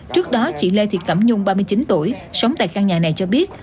trước đó chị lê thị cẩm nhung ba mươi chín tuổi sống tại căn nhà này cho biết